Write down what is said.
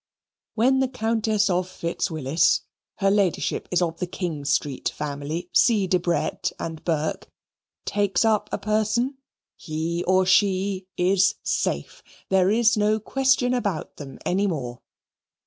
When the Countess of Fitz Willis (her Ladyship is of the Kingstreet family, see Debrett and Burke) takes up a person, he or she is safe. There is no question about them any more.